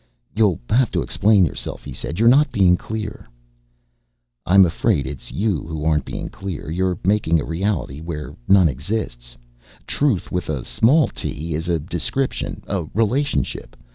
"You'll have to explain yourself," he said. "You're not being clear." "I'm afraid it's you who aren't being clear. You're making a reality where none exists. Truth with a small T is a description, a relationship.